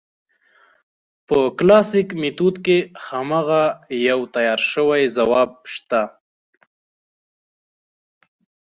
په کلاسیک میتود کې هماغه یو تیار شوی ځواب شته.